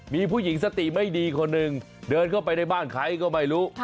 มีผู้หญิงสติไม่ดีคนหนึ่งเดินเข้าไปในบ้านใครก็ไม่รู้